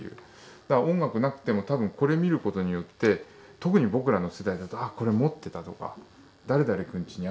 だから音楽がなくてもこれを見る事によって特に僕らの世代だと「これ持ってた」とか「誰々君ちにあった」